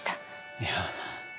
いや。